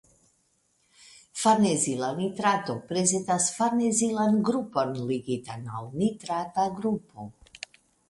Farnezila nitrato prezentas farnezilan grupon ligitan al nitrata grupo.